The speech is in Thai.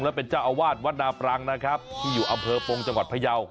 และเป็นเจ้าอาวาสวัดนาปรังนะครับที่อยู่อำเภอปงจังหวัดพยาว